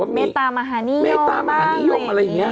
ร่วงเลยแม่โอ๊ยรูปแล้วเขาร่วงเลยเหรอ